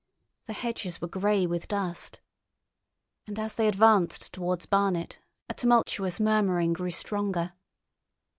The hedges were grey with dust. And as they advanced towards Barnet a tumultuous murmuring grew stronger.